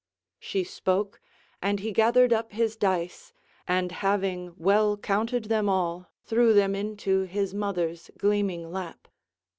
She spoke, and he gathered up his dice, and having well counted them all threw them into his mother's gleaming lap.